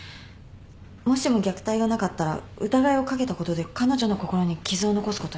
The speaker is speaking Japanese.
もしも虐待がなかったら疑いをかけたことで彼女の心に傷を残すことに。